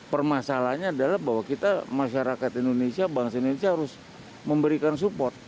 permasalahannya adalah bahwa kita masyarakat indonesia bangsa indonesia harus memberikan support